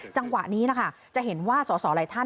จังหวะนี้นะคะจะเห็นว่าสอสอหลายท่าน